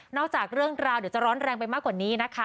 จากเรื่องราวเดี๋ยวจะร้อนแรงไปมากกว่านี้นะคะ